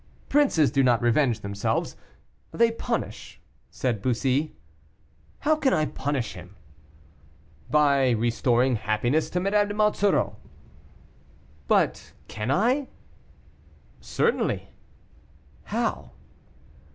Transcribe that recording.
"Princes do not revenge themselves, they punish," said Bussy. "How can I punish him?" "By restoring happiness to Madame de Monsoreau." "But can I?" "Certainly." "How?"